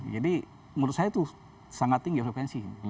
jadi menurut saya itu sangat tinggi frekuensi